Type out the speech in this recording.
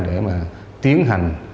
để mà tiến hành